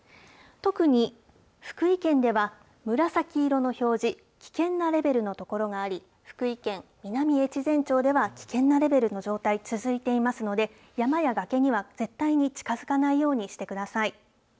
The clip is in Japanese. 特に福井県では、紫色の表示、危険なレベルの所があり、福井県南越前町では、危険なレベルの状態続いていますので、山や崖には絶対に近づかないようにしてください。